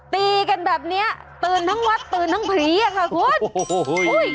ตีกันแบบนี้ตื่นทั้งวัดตื่นทั้งผีอย่างไรครับคุณ